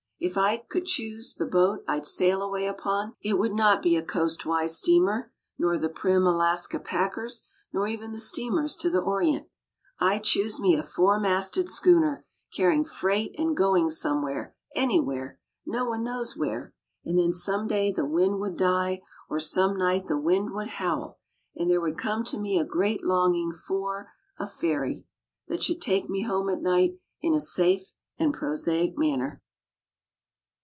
If I could choose the boat I'd sail away upon, it would not be a coast wise steamer, nor the prim Alaska packers nor even the steamers to the Orient. I'd choose me a four masted schooner, carrying freight and going somewhere, anywhere, no one knows where. And then some day the wind would die or some night the wind would howl and there would come to me a great longing for or a ferry that should take me home at night in a safe and prosaic manner.